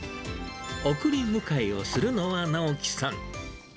送り迎えをするのは直樹さん。